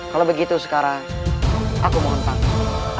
kalau begitu sekarang aku mohon pakem